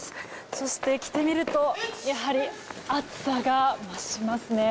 そして着てみるとやはり暑さが増しますね。